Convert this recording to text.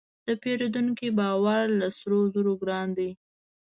د پیرودونکي باور له سرو زرو ګران دی.